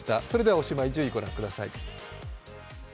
おしまいに１０位ご覧ください。